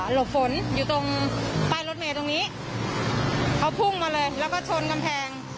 ลบฝนอยู่ตรงป้ายรถเมย์ตรงนี้เขาพุ่งมาเลยแล้วก็ชนกำแพง